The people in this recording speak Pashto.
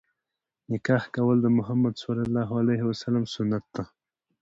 نکاح کول د مُحَمَّد ﷺ سنت دی.